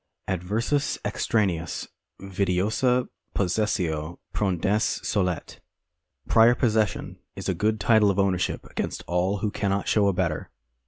Adversus extraneos vitiosa possessio prodesse solet. D. 41. 2. 53. Prior possession is a good title of ownership against all who cannot show a better.